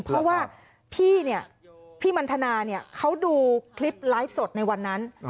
เพราะว่าพี่เนี่ยพี่มันทนาเขาดูคลิปไลฟ์สดในวันนั้น